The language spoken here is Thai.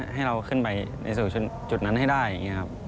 ให้เราขึ้นไปในสู่จุดและให้ได้